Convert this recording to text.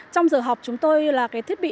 trong giờ học chúng tôi là cái thiết bị